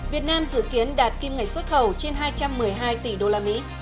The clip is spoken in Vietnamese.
việt nam dự kiến đạt kim ngày xuất khẩu trên hai trăm một mươi hai tỷ usd